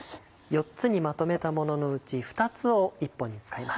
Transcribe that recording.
４つにまとめたもののうち２つを１本に使います。